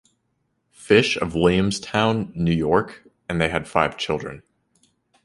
Fish of Williamstown, New York, and they had five children.